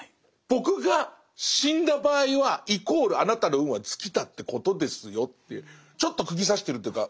僕が死んだ場合はイコールあなたの運は尽きたってことですよってちょっとくぎ刺してるというか。